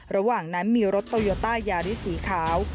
ระหว่างนั้นมีรถโตโยต้ายาริสสีขาว